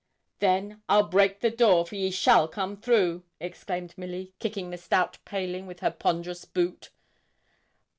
'Then I'll break the door, for ye shall come through,' exclaimed Milly, kicking the stout paling with her ponderous boot.